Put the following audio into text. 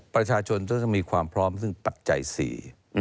ประชาชนจะต้องมีความพร้อมซึ่งปัจจัยสี่